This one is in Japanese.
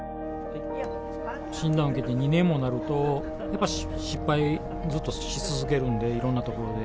診断受けて２年もなると、やっぱり失敗、ずっとし続けるんで、いろんなところで。